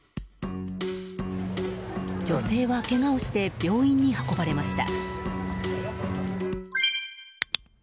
女性はけがをして病院に運ばれました。